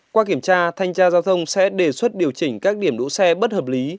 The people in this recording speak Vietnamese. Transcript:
qua kiểm tra thanh tra giao thông sẽ đề xuất điều chỉnh các điểm đỗ xe bất hợp lý